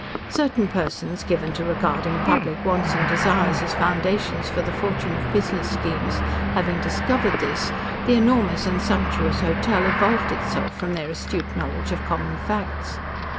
Certain persons given to regarding public wants and desires as foundations for the fortune of business schemes having discovered this, the enormous and sumptuous hotel evolved itself from their astute knowledge of common facts.